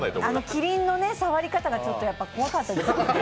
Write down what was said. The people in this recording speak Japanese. キリンの触り方が怖かったですね。